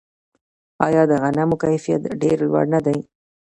آیا د غنمو کیفیت ډیر لوړ نه دی؟